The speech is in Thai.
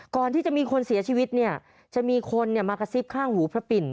ก่อนที่จะมีคนเสียชีวิตเนี่ยจะมีคนมากระซิบข้างหูพระปิ่น